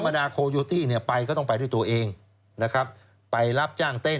มันก็ต้องได้ต้องได้สิครับ